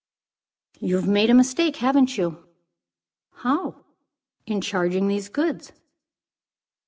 "You've made a mistake, haven't you?" "How?" "In charging these goods."